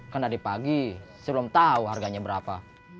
kan tadi pagi saya belum tahu harganya berapa